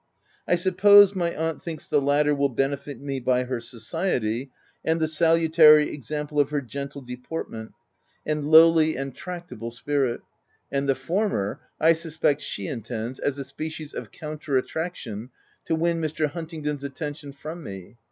I suppose, my aunt thinks the latter will benefit me by her society and the salutary example of her gentle deportment, and lowly and tractable spirit ; and the former, I suspect she intends as a species of counter attraction to win Mr. Huntingdon's attention from me.